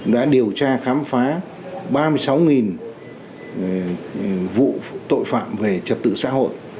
đã điều tra khám phá ba mươi sáu vụ tội phạm về trật tự xã hội